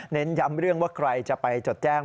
เน้นย้ำเรื่องว่าใครจะไปจดแจ้ง